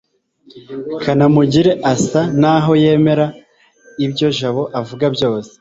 kanamugire asa naho yemera ibyo jabo avuga byose